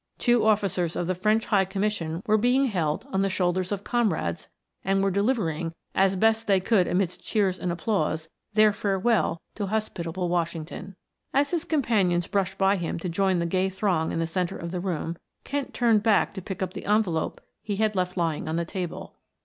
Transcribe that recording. Two officers of the French High Commission were being held on the shoulders of comrades and were delivering, as best they could amidst cheers and applause, their farewell to hospitable Washington. As his companions brushed by him to join the gay throng in the center of the room, Kent turned back to pick up the envelope he had left lying on the table.